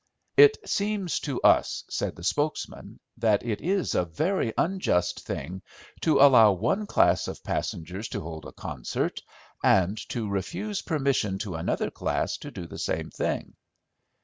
"It seems to us," said the spokesman, "that it is a very unjust thing to allow one class of passengers to hold a concert, and to refuse permission to another class to do the same thing."